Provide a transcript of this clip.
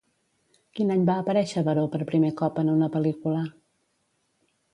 Quin any va aparèixer Baró per primer cop en una pel·lícula?